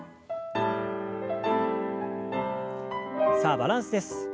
さあバランスです。